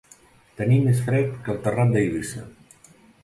Tenir més fred que el terrat d'Eivissa.